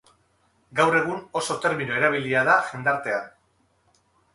Gaur egun oso termino erabilia da jendartean.